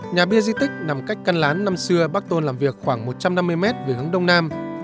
nhà bia di tích nằm cách căn lán năm xưa bác tôn làm việc khoảng một trăm năm mươi mét về hướng đông nam